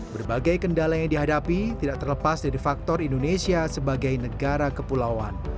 berbagai kendala yang dihadapi tidak terlepas dari faktor indonesia sebagai negara kepulauan